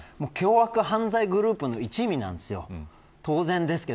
凶悪犯罪グループの一味ですよ